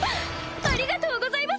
ありがとうございます！